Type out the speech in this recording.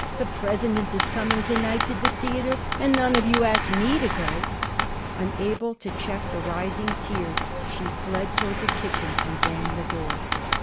The President is coming to night to the theater, and none of you asked me to go." Unable to check the rising tears, she fled toward the kitchen and banged the door.